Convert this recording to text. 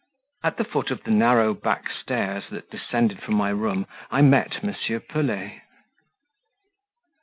At the foot of the narrow back stairs that descended from my room, I met M. Pelet.